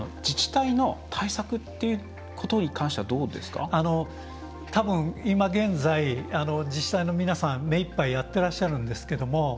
自治体の対策ってことに関してはたぶん、今現在自治体の皆さん目いっぱいやってらっしゃるんですけど